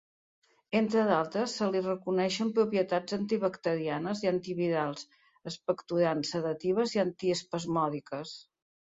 Entre d'altres se li reconeixen propietats antibacterianes i antivirals, expectorants, sedatives i antiespasmòdiques.